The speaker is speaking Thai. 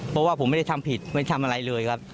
เพราะว่าผมไม่ได้ทำผิดไม่ได้ทำอะไรเลยครับ